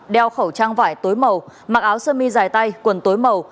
đeo khẩu trang vải tối màu mặc áo sơ mi dài tay quần tối màu